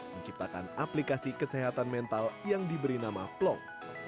menciptakan aplikasi kesehatan mental yang diberi nama plong